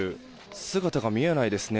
姿が見えないですね。